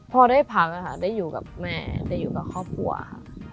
พอได้พักค่ะได้อยู่กับแม่ได้อยู่กับครอบครัวค่ะ